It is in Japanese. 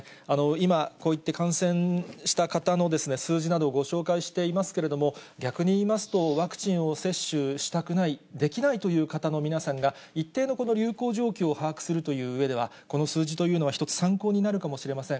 今、こういって感染した方の数字などをご紹介していますけれども、逆に言いますと、ワクチンを接種したくない、できないという方の皆さんが、一定の流行状況を把握するといううえでは、この数字というのは、一つ参考になるかもしれません。